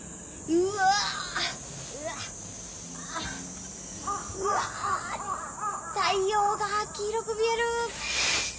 うわっ太陽が黄色く見える。